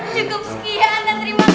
cukup sekian dan terima kasih